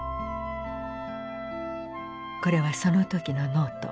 これはその時のノート。